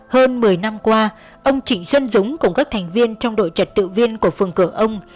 hơn một mươi năm qua ông trịnh xuân dũng cùng các thành viên trong đội trật tự viên của phường cửa ông